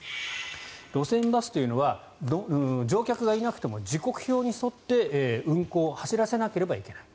路線バスというのは乗客がいなくても時刻表に沿って運行、走らせなければいけない。